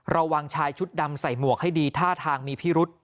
ระวังชายชุดดำใส่หมวกให้ดีท่าทางมีพิรุษ